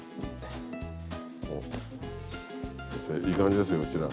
先生いい感じですようちら。